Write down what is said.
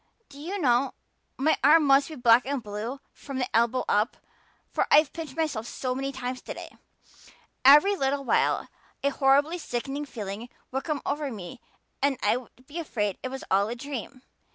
Do you know, my arm must be black and blue from the elbow up, for I've pinched myself so many times today. Every little while a horrible sickening feeling would come over me and I'd be so afraid it was all a dream.